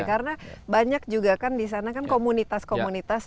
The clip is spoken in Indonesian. karena banyak juga kan di sana kan komunitas komunitas